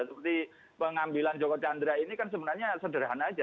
seperti pengambilan joko chandra ini kan sebenarnya sederhana aja